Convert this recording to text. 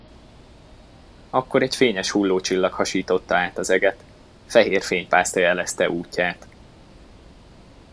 Akkor egy fényes hullócsillag hasította át az eget, fehér fénypászta jelezte útját.